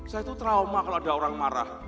saya itu trauma kalau ada orang marah